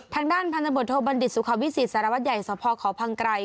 ทางด้านพันธบทโทบัณฑิตสุขวิสิตสารวัตรใหญ่สภเขาพังไกร